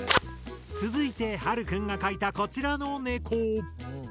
続いてはるくんが描いたこちらのネコ。